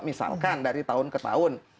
misalkan dari tahun ke tahun